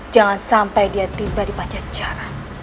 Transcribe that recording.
jangan sampai dia tiba di pacaran